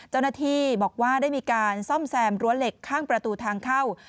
เจ้าหน้าที่บอกว่าได้มีการซ่อมแซมรั้วเหล็กข้างประตูทางเข้า